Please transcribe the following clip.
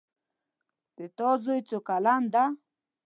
د تا زوی څو کلن ده